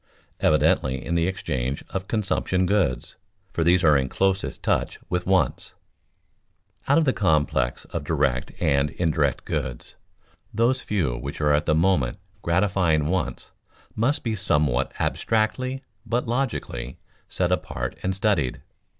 Evidently in the exchange of consumption goods, for these are in closest touch with wants. Out of the complex of direct and indirect goods, those few which are at the moment gratifying wants must be somewhat abstractly, but logically, set apart and studied.